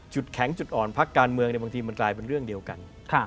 แข็งจุดอ่อนพักการเมืองบางทีมันกลายเป็นเรื่องเดียวกัน